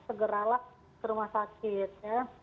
segeralah ke rumah sakit ya